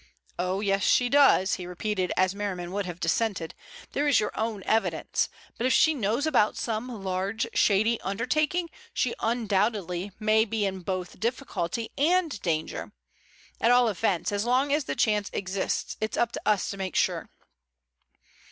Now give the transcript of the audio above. Oh, yes, she does," he repeated as Merriman would have dissented, "there is your own evidence. But if she knows about some large, shady undertaking, she undoubtedly may be in both difficulty and danger. At all events, as long as the chance exists it's up to us to make sure."